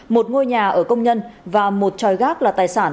một ngôi nhà ở công nhân và một tròi gác là tài sản